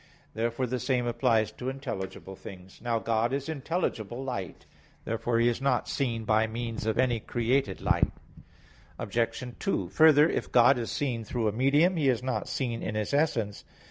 Therefore the same applies to intelligible things. Now God is intelligible light. Therefore He is not seen by means of any created light. Obj. 2: Further, if God is seen through a medium, He is not seen in His essence.